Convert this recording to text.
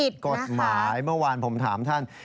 กฎหมายเมื่อวานผมถามท่าน